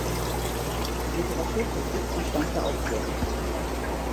Die Literaturkritik entstammt der Aufklärung.